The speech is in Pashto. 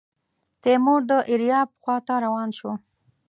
تیمور د ایریاب خواته روان شو.